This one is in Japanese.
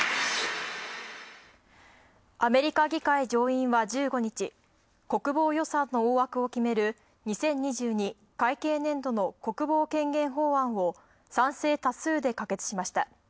アメリカ議会上院は１５日国防予算の大枠を決める、２０２２会計年度の国防権限法案を賛成多数で可決しました。